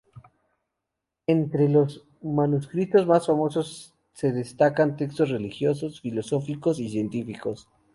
Entre los manuscritos más famosos se destacan textos religiosos, filosóficos y científicos.